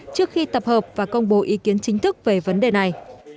trước khi tập hợp và công bố ý kiến chính thức về vấn đề này